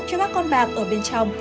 cho các con bạc ở bên trong